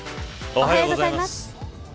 おはようございます。